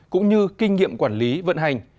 cũng như kinh nghiệm quản lý vận hành